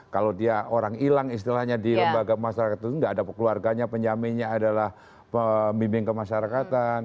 kalau dia orang hilang istilahnya di lembaga masyarakat itu tidak ada keluarganya penjaminnya adalah pembimbing kemasyarakatan